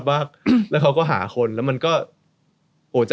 พี่เขาตัด